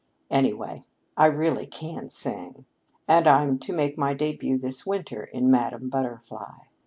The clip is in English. Anyway, I really can sing. And I'm to make my debut this winter in 'Madame Butterfly.'